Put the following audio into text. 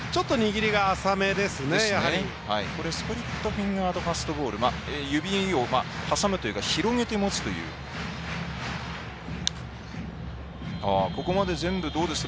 スプリットフィンガードファストボール指を広げて持つというか挟むというか。